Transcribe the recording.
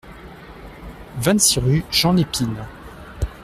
vingt-six rue Jean Lépine